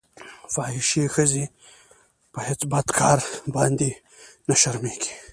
فاحشې ښځې په هېڅ بد کار باندې نه شرمېږي.